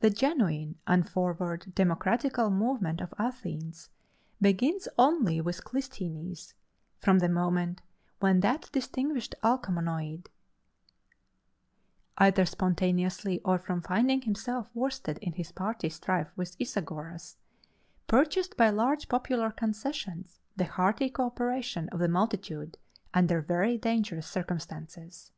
The genuine and forward democratical movement of Athens begins only with Clisthenes, from the moment when that distinguished Alcmæonid, either spontaneously, or from finding himself worsted in his party strife with Isagoras, purchased by large popular concessions the hearty coöperation of the multitude under very dangerous circumstances.